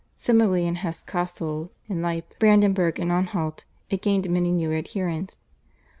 Similarly in Hesse Cassel, in Lippe, Brandenburg, and Anhalt, it gained many new adherents.